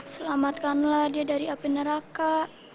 selamatkanlah dia dari api neraka